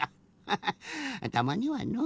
ハハたまにはのう。